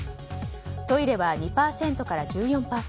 トイレは２％から１４％